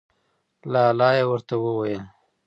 لا لا یې ورته وویل.